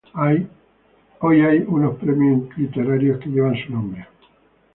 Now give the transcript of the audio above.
Hoy hay unos premios literarios que llevan su nombre.